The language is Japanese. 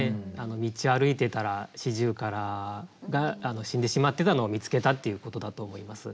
道歩いてたら四十雀が死んでしまってたのを見つけたっていうことだと思います。